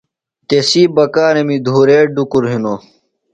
تسی بکارمی دُھورے ڈُکُر ہِنوۡ۔